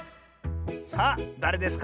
さあだれですか？